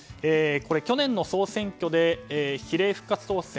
去年の総選挙で比例復活当選